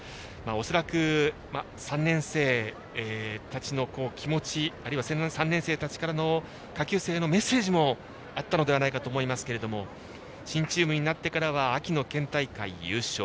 恐らく、３年生たちの気持ちあるいは３年生たちからの下級生たちへのメッセージもあったと思いますが新チームになってからは秋の県大会優勝。